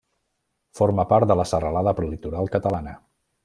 Forma part de la Serralada Prelitoral catalana.